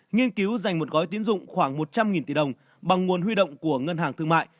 nghiên cứu dành một gói tiến dụng khoảng một trăm linh tỷ đồng bằng nguồn huy động của ngân hàng thương mại